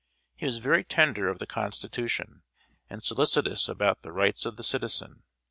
He was very tender of the Constitution, and solicitous about "the rights of the citizen."